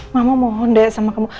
mama mohon deh sama kamu